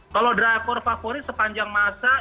kalau driver favorit sepanjang masa